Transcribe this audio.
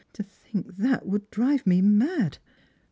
To think that would drive me mad."